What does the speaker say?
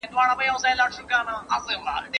که لمریزه بریښنا وکاروو نو دود نه تولیدیږي.